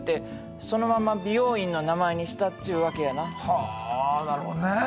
はあなるほどね。